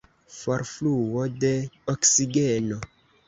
Forfluo de oksigeno.